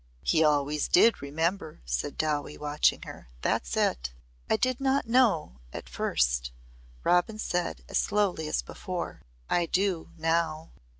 "He always did remember," said Dowie watching her. "That's it." "I did not know at first," Robin said as slowly as before. "I do now."